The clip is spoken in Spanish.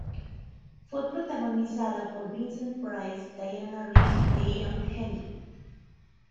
Fue protagonizada por Vincent Price, Diana Rigg e Ian Hendry.